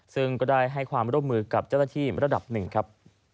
ซึ่งก็ได้ให้ความร่วมมือกับเจ้าหน้าที่ระดับหนึ่งครับ